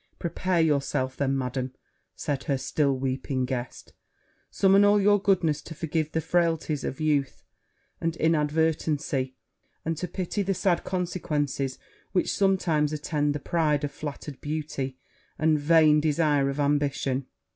'Prepare yourself, then, Madam,' said her still weeping guest; 'summon all your goodness to forgive the frailties of youth and inadvertency, and to pity the sad consequences which sometimes attend the pride of flattered beauty and vain desire of ambition.'